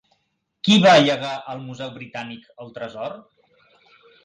Qui va llegar al Museu Britànic el tresor?